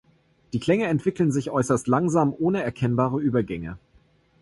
Die Klänge entwickeln sich äußerst langsam ohne erkennbare Übergänge.